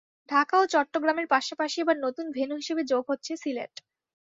ঢাকা ও চট্টগ্রামের পাশাপাশি এবার নতুন ভেন্যু হিসেবে যোগ হচ্ছে সিলেট।